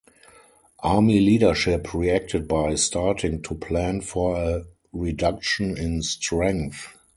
Army leadership reacted by starting to plan for a reduction in strength.